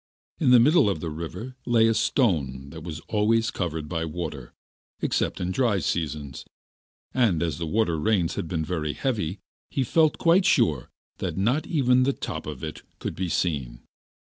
In the middle of the river lay a stone that was always covered by water, except in dry seasons, and as the winter rains had been very heavy, he felt quite sure that not even the top of it could be seen.